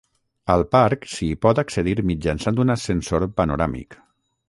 Al parc s'hi pot accedir mitjançant un ascensor panoràmic.